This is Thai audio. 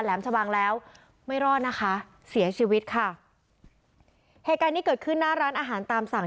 เหตุการณ์นี้เกิดขึ้นหน้าร้านอาหารตามสั่ง